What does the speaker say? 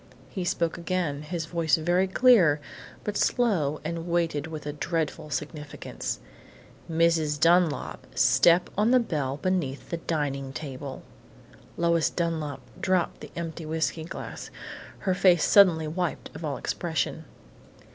He spoke again, his voice very clear, but slow and weighted with a dreadful significance: "Mrs. Dunlap, step on the bell beneath the dining table!" Lois Dunlap dropped the empty whiskey glass, her face suddenly wiped of all expression.